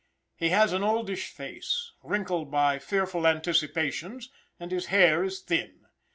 He has an oldish face, wrinkled by fearful anticipations, and his hair is thin.